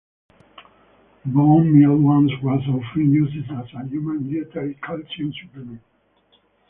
Bone meal once was often used as a human dietary calcium supplement.